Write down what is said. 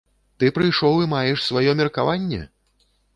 Ты прыйшоў і маеш свае меркаванне?